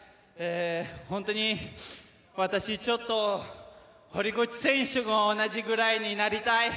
本当に私は堀口選手と同じくらいになりたい。